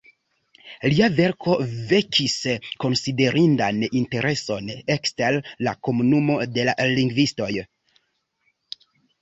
Lia verko vekis konsiderindan intereson ekster la komunumo de la lingvistoj.